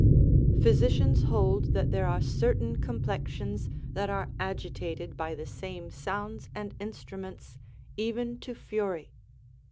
Physicians hold that there are certain complexions that are agitated by the same sounds and instruments even to fury.